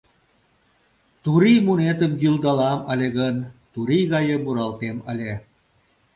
Турий мунетым йӱлдалам ыле гын, турий гае муралтем ыле.